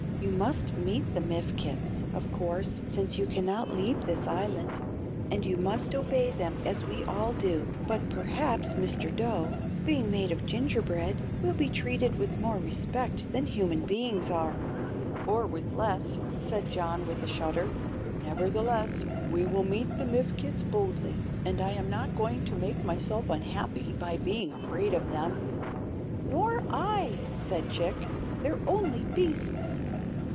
You must meet the Mifkets, of course, since you cannot leave this island; and you must obey them as we all do. But perhaps Mr. Dough, being made of gingerbread, will be treated with more respect than human beings are." "Or with less," said John, with a shudder. "Nevertheless, we will meet the Mifkets boldly, and I am not going to make myself unhappy by being afraid of them." "Nor I," said Chick. "They're only beasts."